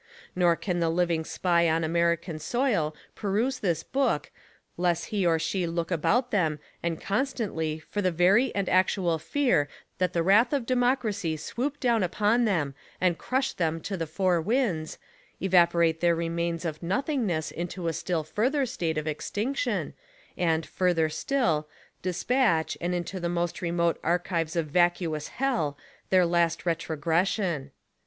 Nor can the living Spy on American soi'l peruse this book less he or she look about them and constantly for the very and actual fear that the wrath of de mocracy swoop down upon them and crush them to the four winds, evaporate their remains of nothingness into a still further state of extinction and, further stili, despatch, and into the most remote archives of vacuous hell, their last vestige of pre existence, that republicanism may never again be challenged by retrogression.